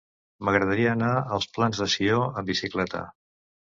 M'agradaria anar als Plans de Sió amb bicicleta.